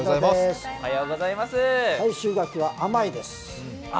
太秋柿は甘いです。